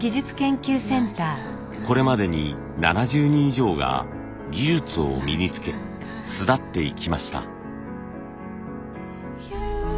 これまでに７０人以上が技術を身につけ巣立っていきました。